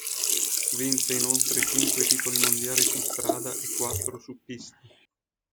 Vinse inoltre cinque titoli mondiali su strada e quattro su pista.